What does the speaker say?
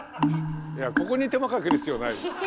ここに手間かける必要ないでしょ。